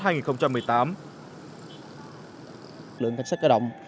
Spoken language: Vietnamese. lực lượng cảnh sát cơ động